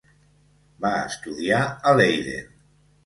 Va estudiar a Leiden.